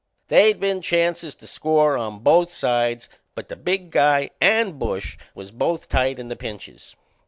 They'd been chances to score on both sides, but the big guy and Bush was both tight in the pinches.